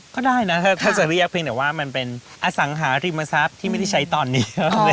ก็ได้นะถ้าจะเรียกเพียงแต่ว่ามันเป็นอสังหาริมทรัพย์ที่ไม่ได้ใช้ตอนนี้